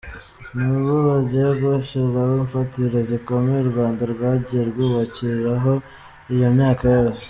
Nibo bagiye bashyiraho imfatiro zikomeye u Rwanda rwagiye rwubakirwaho iyo myaka yose.